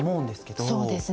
そうですね。